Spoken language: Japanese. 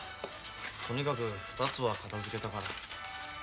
とにかく２つは片づけたから。